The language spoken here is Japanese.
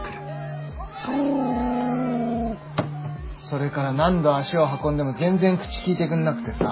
それから何度足を運んでも全然口きいてくんなくてさ。